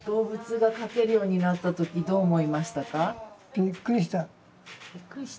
びっくりした。